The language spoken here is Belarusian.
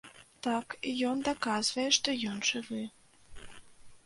Так ён даказвае, што ён жывы.